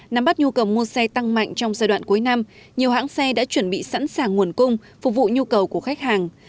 nắm bắt nhu cầu mua xe tăng mạnh trong giai đoạn cuối năm nhiều hãng xe đã chuẩn bị sẵn sàng nguồn cung phục vụ nhu cầu của khách hàng